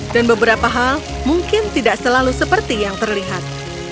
dan beberapa hal mungkin tidak selalu seperti yang terlihat